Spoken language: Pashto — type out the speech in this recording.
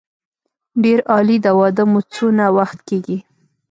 ډېر عالي د واده مو څونه وخت کېږي.